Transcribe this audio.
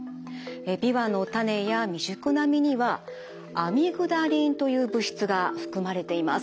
ビワの種や未熟な実にはアミグダリンという物質が含まれています。